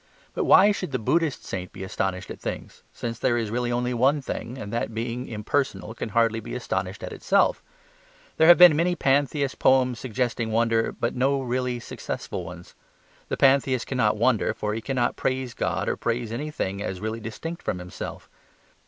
But why should the Buddhist saint be astonished at things? since there is really only one thing, and that being impersonal can hardly be astonished at itself. There have been many pantheist poems suggesting wonder, but no really successful ones. The pantheist cannot wonder, for he cannot praise God or praise anything as really distinct from himself.